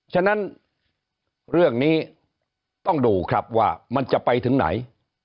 ฉะนั้นเรื่องนี้ต้องดูครับว่ามันจะไปถึงไหน